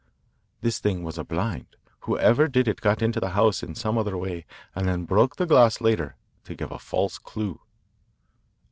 The thing was a blind. Whoever did it got into the house in some other way and then broke the glass later to give a false clue.